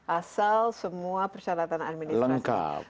asal semua persyaratan administrasi